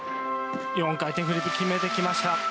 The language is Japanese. ４回転フリップ決めてきました！